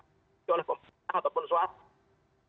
seolah olah pemain ataupun swasta